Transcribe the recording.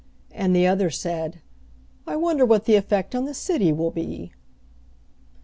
And the other said, "I wonder what the effect on the city will be?"